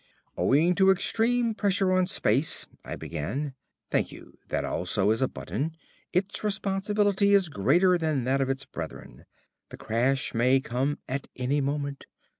"Owing to extreme pressure on space," I began.... "Thank you. That also is a button. Its responsibility is greater than that of its brethren. The crash may come at any moment.